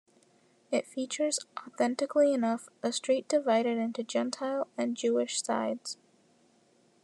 It features, authentically enough, a street divided into 'gentile' and 'Jewish' sides.